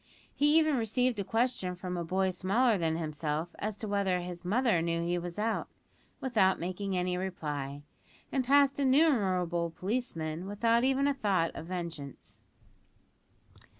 He even received a question from a boy smaller than himself as to whether "his mother knew he was out," without making any reply, and passed innumerable policemen without even a thought of vengeance!